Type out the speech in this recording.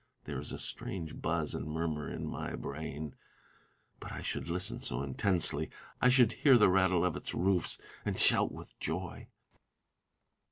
There is a strange buzz and murmur in my brain ; but I should listen so intensely, I should hear the rattle of its roofs, and shout with joy.